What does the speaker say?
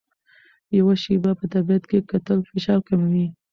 یو شېبه په طبیعت کې کتل فشار کموي.